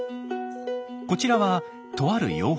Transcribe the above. こちらはとある養蜂場。